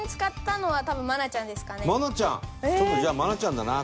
ちょっとじゃあ愛菜ちゃんだな